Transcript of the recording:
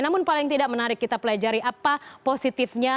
namun paling tidak menarik kita pelajari apa positifnya